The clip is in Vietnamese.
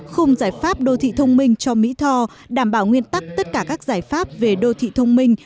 khung giải pháp đô thị thông minh cho mỹ tho đảm bảo nguyên tắc tất cả các giải pháp về đô thị thông minh